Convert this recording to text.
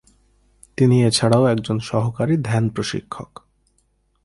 তিনি এছাড়াও একজন সহকারী ধ্যান প্রশিক্ষক।